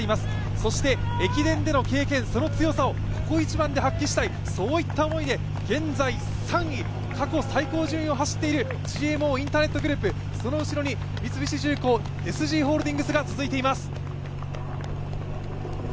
そして駅伝での経験、その強さをここ一番で発揮したい、そういった思いで現在３位、過去最高順位を走っているＧＭＯインターネットグループ、その後ろに三菱重工、ＳＧホールディングスが続いています。